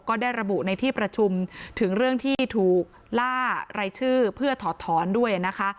ก็ได้ระบุในที่ประชุมถึงเรื่องที่ถูกล่ารายชื่อเพื่อถอดถอนด้วยนะคะ